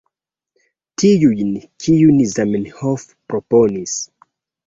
Tiun, kiun Zamenhof proponis.